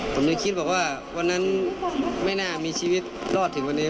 ผมเลยคิดบอกว่าวันนั้นไม่น่ามีชีวิตรอดถึงวันนี้